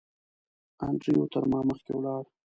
انډریو تر ما مخکې ولاړ.